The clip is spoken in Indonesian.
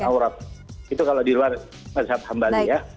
itu kalau di luar masjid hanbali ya